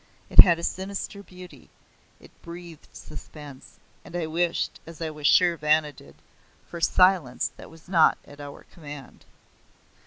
It had a sinister beauty; it breathed suspense; and I wished, as I was sure Vanna did, for silence that was not at our command.